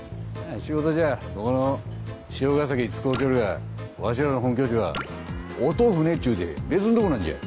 仕事じゃここの汐ヶ崎使うちょるがわしらの本拠地は音船ちゅうて別んとこなんじゃ。